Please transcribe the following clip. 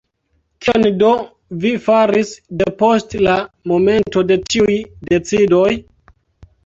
Kion do vi faris depost la momento de tiuj decidoj?